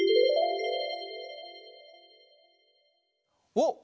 おっ！